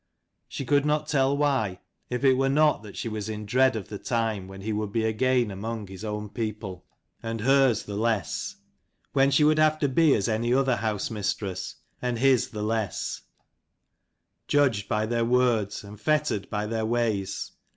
She could not tell why, if it were not that she was in dread of the time when he would be again among his own people, 267 and hdrs the less: when she would have to be as any other house mistress, and his the less : judged by their words and fettered by their ways.